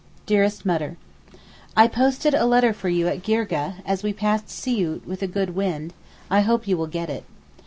DEAREST MUTTER, I posted a letter for you at Girgeh, as we passed Siout with a good wind, I hope you will get it.